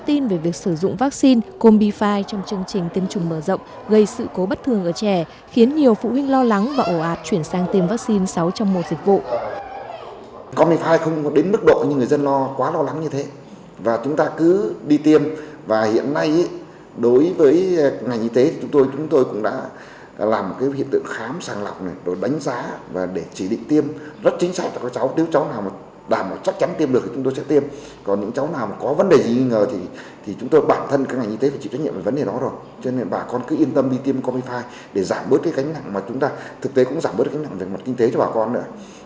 thông tin về việc sử dụng vaccine cung bifide trong chương trình tiêm chủng mở rộng gây sự cố bất thường ở trẻ khiến nhiều phụ huynh lo lắng và ổ ạt chuyển sang tiêm vaccine sáu trong một dịch vụ